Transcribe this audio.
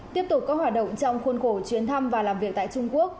tiếp tục có hoạt động trong khuôn khổ chuyến thăm và làm việc tại trung quốc